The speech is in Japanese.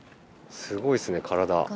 すごいっすね体。